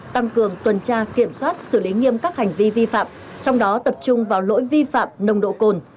tăng cường tuần tra kiểm soát xử lý nghiêm các hành vi vi phạm trong đó tập trung vào lỗi vi phạm nồng độ cồn